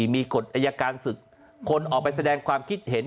มีกฎอายการศึกคนออกไปแสดงความคิดเห็น